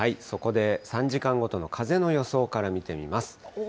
そこで３時間ごとの風の予想から見てみます。